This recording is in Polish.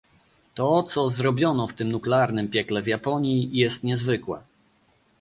To, co zrobiono w tym nuklearnym piekle w Japonii, jest niezwykłe